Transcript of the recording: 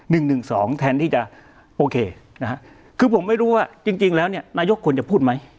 นึงสองแทนที่จะนะคะคือผมไม่รู้ว่าจริงแล้วเนี้ยนายกคนจะพูดไหม